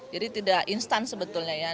jadi tidak instan sebetulnya